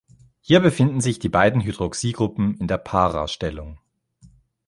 Hier befinden sich die beiden Hydroxygruppen in der "para"-Stellung.